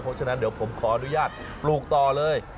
เพราะฉะนั้นเดี๋ยวผมขออนุญาตปลูกต่อเลย